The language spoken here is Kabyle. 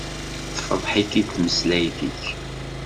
Tefḍeḥ-ik-id tmeslayt-ik.